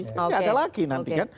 tidak ada lagi nanti kan